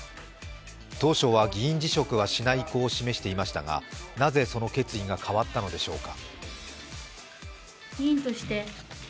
当初は議員辞職はしない意向を示していましたがなぜその決意が変わったのでしょうか？